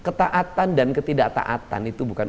ketaatan dan ketidaktaatan itu bukan